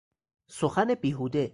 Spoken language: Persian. سخن بیهوده